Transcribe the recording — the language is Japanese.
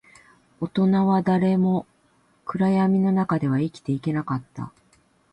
大人は誰も暗闇の中では生きていけなかった